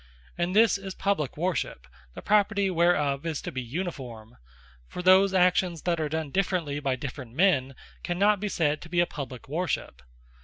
And this is Publique Worship; the property whereof, is to be Uniforme: For those actions that are done differently, by different men, cannot be said to be a Publique Worship.